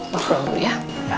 masuk pulang dulu ya